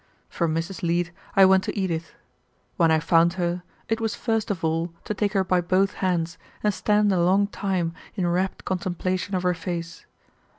From Mrs. Leete I went to Edith. When I found her, it was first of all to take her by both hands and stand a long time in rapt contemplation of her face.